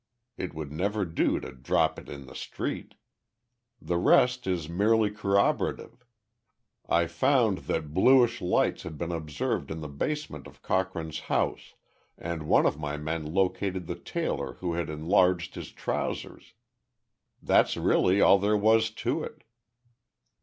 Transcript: It would never do to drop it in the street. "The rest is merely corroborative. I found that bluish lights had been observed in the basement of Cochrane's house, and one of my men located the tailor who had enlarged his trousers. That's really all there was to it."